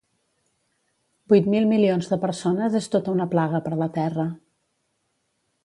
Vuit mil milions de persones és tota una plaga per la terra